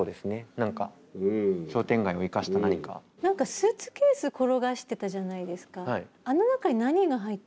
何かスーツケース転がしてたじゃないですか。